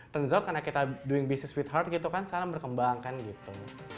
ternyata karena kita doing business with heart gitu kan selalu berkembang kan gitu